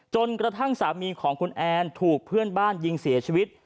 จนกระทั่งสามีของคุณแอนถูกเพื่อนบ้านยิงเสียชีวิต